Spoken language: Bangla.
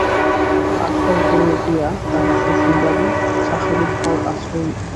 আশা উপরে গিয়া তাহার শাশুড়ির ঘর আশ্রয় করিল।